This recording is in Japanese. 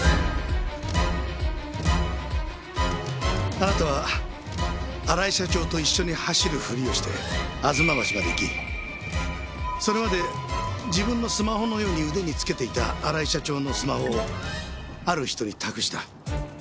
あなたは荒井社長と一緒に走るふりをして吾妻橋まで行きそれまで自分のスマホのように腕につけていた荒井社長のスマホをある人に託した。